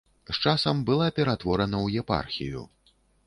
З часам была ператворана ў епархію.